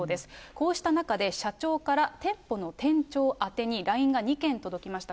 こうした中で、社長から店舗の店長宛てにＬＩＮＥが２件届きました。